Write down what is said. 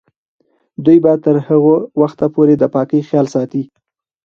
دوی به تر هغه وخته پورې د پاکۍ خیال ساتي.